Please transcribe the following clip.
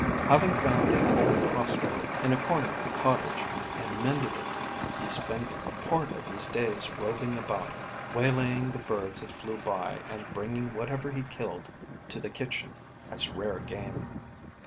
Having found an old crossbow in a corner of the cottage, and mended it, he spent part of his days roving about, waylaying the birds that flew by, and bringing whatever he killed to the kitchen, as rare game.